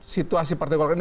situasi partai golkar ini